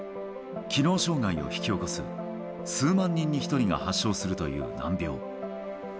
機能障害を引き起こす、数万人に１人が発症するという難病。